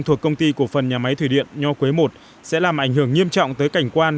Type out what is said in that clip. thuộc công ty cổ phần nhà máy thủy điện nho quế i sẽ làm ảnh hưởng nghiêm trọng tới cảnh quan